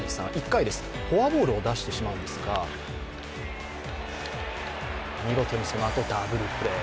１回、フォアボールを出してしまうんですが、見事にそのあとダブルプレー。